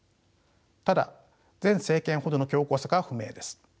ただ前政権ほどの強硬さかは不明です。